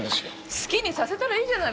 好きにさせたらいいじゃない。